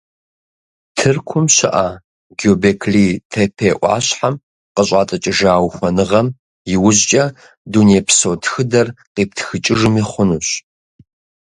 Тыркум щыӀэ Гёбекли-Тепе Ӏуащхьэм къыщӀатӀыкӀыжа ухуэныгъэм иужькӀэ дунейпсо тхыдэр къиптхыкӀыжми хъунущ.